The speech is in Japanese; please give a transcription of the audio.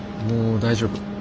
もう大丈夫。